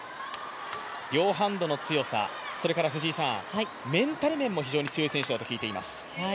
両ハンドの強さ、メンタル面も非常に強い選手だと聞いています。